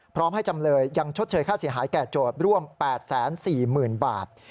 พร้อมให้จำเลยยังชดเชยค่าเสียหายแก่โจทย์ร่วม๘๔๐๐๐บาท